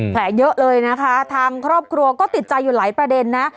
เยอะเลยนะคะทางครอบครัวก็ติดใจอยู่หลายประเด็นนะ